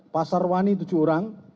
pasar wani tujuh orang